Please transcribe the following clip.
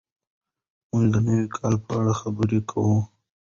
موږ د نوي کال په اړه خبرې کوو.